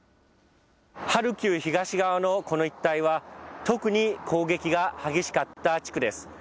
ハルキウ東側のこの一帯は、特に攻撃が激しかった地区です。